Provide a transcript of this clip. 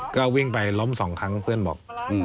ก็วิ่งไปล้มสองครั้งเพื่อนบอก